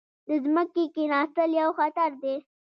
د ځمکې کیناستل یو خطر دی.